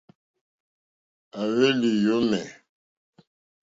À hwèlì yɔ̀mɛ̀.